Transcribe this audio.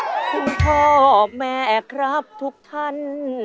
คุณพ่อครับทุกท่าน